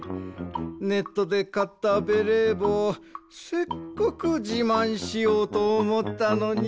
ネットでかったベレーぼうせっかくじまんしようとおもったのに。